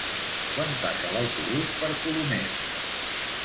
Quan passa l'autobús per Colomers?